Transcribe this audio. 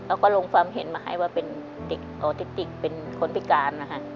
แล้วก็ลงความเห็นหมายว่าเป็นออทิสติกเป็นคนพิการ